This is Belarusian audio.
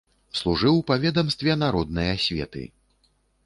Служыў па ведамстве народнай асветы.